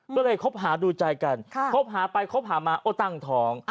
ก็เลยคบหาดูใจกันคบหาไปคบหามาโอ้ตั้งท้อง